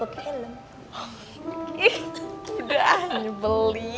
udah ah nyebelin